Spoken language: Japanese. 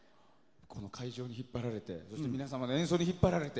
会場に引っ張られて皆様の演奏で引っ張られて。